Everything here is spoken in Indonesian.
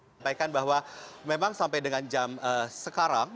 sampaikan bahwa memang sampai dengan jam sekarang